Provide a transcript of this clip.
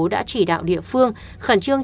đã chỉ đạo địa phương khẩn trương